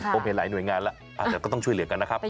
ผมเห็นหลายหน่วยงานแล้วแต่ก็ต้องช่วยเหลือกันนะครับ